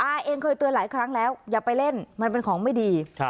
อาเองเคยเตือนหลายครั้งแล้วอย่าไปเล่นมันเป็นของไม่ดี